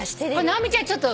直美ちゃん